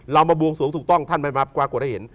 เรามาบวงสวงถูกต้องท่านมากว่ากว่าได้เห็น